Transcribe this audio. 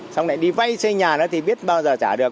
xong lại đi vay xây nhà nữa thì biết bao giờ trả được